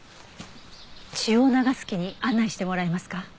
血を流す木に案内してもらえますか？